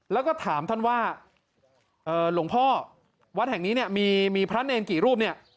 แล้วก็ถามท่านว่าหลวงพ่อวัดแห่งนี้เนี่ยมีพระเนรกี่รูปเนี่ย